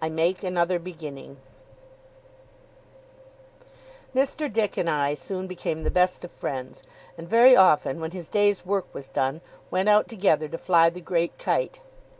I MAKE ANOTHER BEGINNING Mr. Dick and I soon became the best of friends, and very often, when his day's work was done, went out together to fly the great kite.